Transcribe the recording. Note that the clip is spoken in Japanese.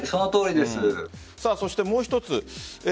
そして、もう一つ。